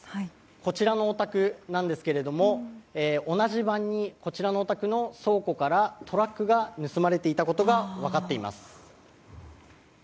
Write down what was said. こちらのお宅、同じ晩にこちらのお宅の倉庫からトラックが盗まれていたことが分かっています。